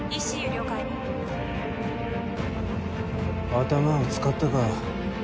頭を使ったか。